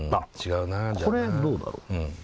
あっこれどうだろう？